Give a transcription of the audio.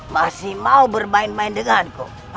masih mau bermain main denganku